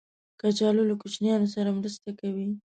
کچالو له کوچنیانو سره مرسته کوي